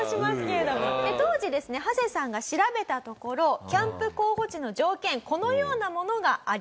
当時ですねハセさんが調べたところキャンプ候補地の条件このようなものがありました。